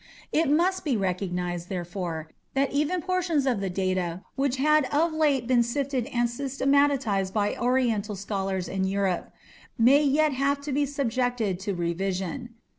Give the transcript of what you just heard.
It must be recognized, therefore, that even portions of the data which had of late been sifted and systematized by Oriental scholars in Europe, may yet have to be subjected to revision.